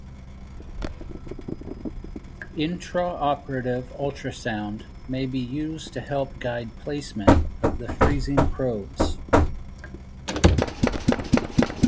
Intraoperative ultrasound may be used to help guide placement of the freezing probes.